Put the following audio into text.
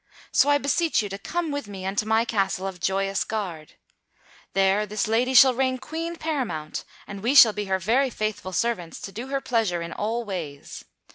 So I beseech you to come with me unto my castle of Joyous Gard. There this lady shall reign queen paramount and we shall be her very faithful servants to do her pleasure in all ways.